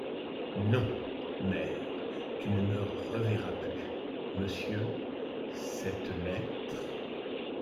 Non, mère, tu ne me reverras plus! — Monsieur... cette lettre...